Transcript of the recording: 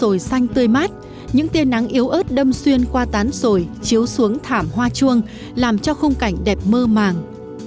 hoa chuông xanh tươi mát những tia nắng yếu ớt đâm xuyên qua tán sồi chiếu xuống thảm hoa chuông làm cho không cảnh đẹp mơ màng